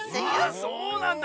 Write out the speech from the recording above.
あっそうなんだ。